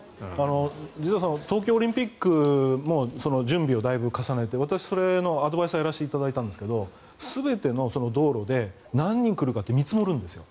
東京オリンピックも準備をだいぶ重ねて私、それのアドバイザーをやらせていただいたんですが全ての道路で何人来るかって見積もるんですよ